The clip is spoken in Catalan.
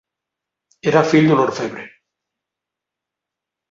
Era fill d'un orfebre.